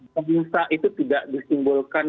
pemirsa itu tidak disimpulkan